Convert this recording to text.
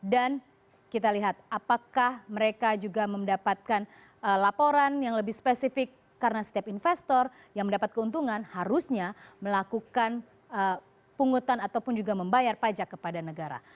dan kita lihat apakah mereka juga mendapatkan laporan yang lebih spesifik karena setiap investor yang mendapat keuntungan harusnya melakukan pungutan ataupun juga membayar pajak kepada negara